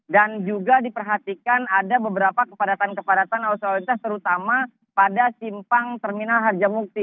dan juga diperhatikan ada beberapa kepadatan kepadatan arus lau lintas terutama pada simpang terminal harjamukti